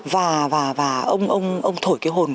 và ông thổi cái hồn